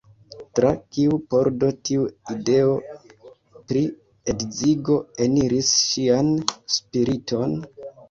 Tra kiu pordo tiu ideo pri edzigo eniris ŝian spiriton?